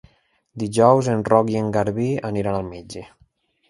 Dijous en Roc i en Garbí aniran al metge.